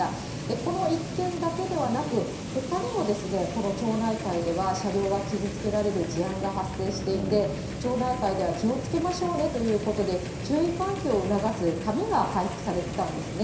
この一軒だけではなく、ほかにもこの町内会では車両が傷つけられる事案が発生していて、町内会では気をつけましょうねということで、注意喚起を促す紙が配布されてたんですね。